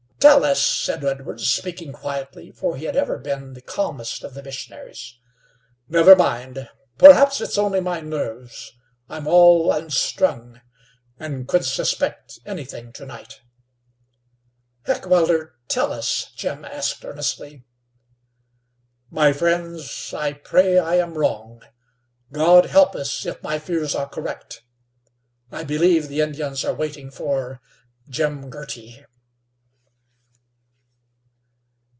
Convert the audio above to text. "Tell us," said Edwards, speaking quietly, for he had ever been the calmest of the missionaries. "Never mind. Perhaps it's only my nerves. I'm all unstrung, and could suspect anything to night." "Heckewelder, tell us?" Jim asked, earnestly. "My friends, I pray I am wrong. God help us if my fears are correct. I believe the Indians are waiting for Jim Girty."